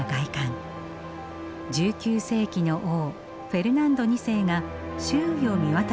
１９世紀の王フェルナンド２世が周囲を見渡す崖の上に築きました。